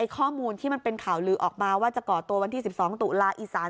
ข้อมูลที่มันเป็นข่าวลือออกมาว่าจะก่อตัววันที่๑๒ตุลาอีสาน